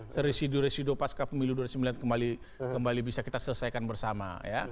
serisidu residu pasca pemilu dua ribu sembilan kembali bisa kita selesaikan bersama